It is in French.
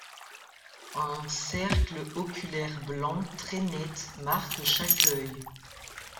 Un cercle oculaire blanc très net marque chaque œil.